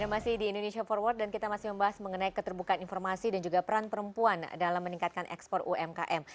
ya masih di indonesia forward dan kita masih membahas mengenai keterbukaan informasi dan juga peran perempuan dalam meningkatkan ekspor umkm